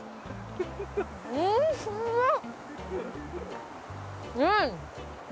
うんうまっ！